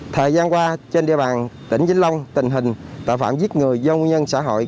thời gian qua trên địa bàn tỉnh vĩnh long tình hình tội phạm giết người do nguyên nhân xã hội